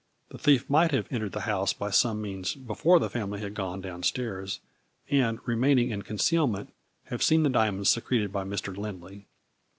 The thief might have entered the house by some means before the family had gone down stairs, and, re maining in concealment, have seen the dia monds secreted by Mr. Lindley.